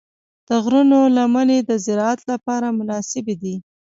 د غرونو لمنې د زراعت لپاره مناسبې دي.